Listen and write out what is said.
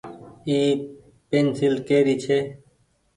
اي پينسيل ڪي ري ڇي۔